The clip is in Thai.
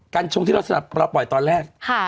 กงที่เราสนับเราปล่อยตอนแรก